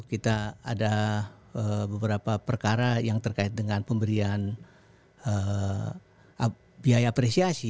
kita ada beberapa perkara yang terkait dengan pemberian biaya apresiasi